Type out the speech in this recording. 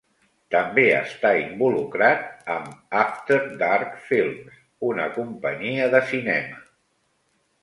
També està involucrat amb After Dark Films, una companyia de cinema.